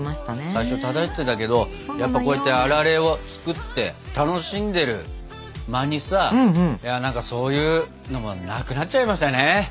最初漂ってたけどやっぱこうやってあられを作って楽しんでる間にさそういうのもなくなっちゃいましたよね。